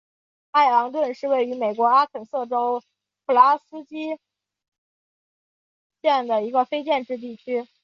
艾昂顿是位于美国阿肯色州普拉斯基县的一个非建制地区。